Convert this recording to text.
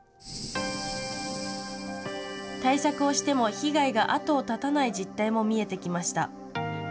対策をしても被害が後を絶たない実態も見えてきました。